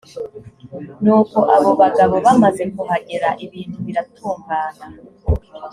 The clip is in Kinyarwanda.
nuko abo bagabo bamaze kuhagera, ibintu biratungana.